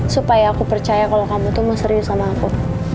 supaya aku percaya kalau kamu tuh mah serius sama aku